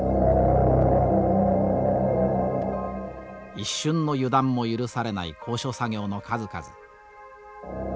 一瞬の油断も許されない高所作業の数々。